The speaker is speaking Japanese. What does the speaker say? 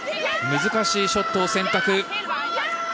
難しいショットを選択。